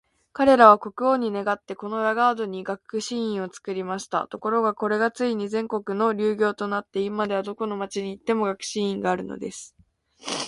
彼等は国王に願って、このラガードに学士院を作りました。ところが、これがついに全国の流行となって、今では、どこの町に行っても学士院があるのです。